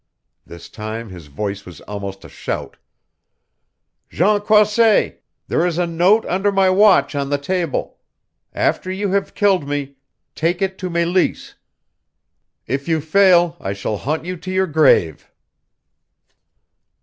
This time his voice was almost a shout. "Jean Croisset, there is a note under my watch on the table. After you have killed me take it to Meleese. If you fail I shall haunt you to your grave!"